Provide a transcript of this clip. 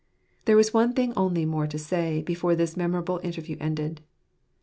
There was one thing only more to say, before this memorable interview ended.